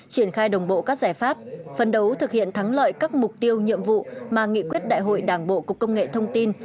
triển khai đồng bộ các giải pháp phân đấu thực hiện thắng lợi các mục tiêu nhiệm vụ mà nghị quyết đại hội đảng bộ cục công nghệ thông tin